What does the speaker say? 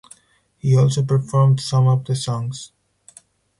He also performed some of the songs.